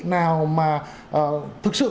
nào mà thực sự